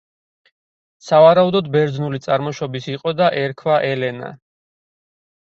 სავარაუდოდ ბერძნული წარმოშობის იყო და ერქვა ელენა.